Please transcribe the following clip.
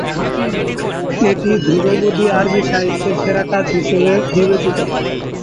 এটি ধ্রুপদী আরবী সাহিত্যের সেরা কাজ হিসাবে বিবেচিত।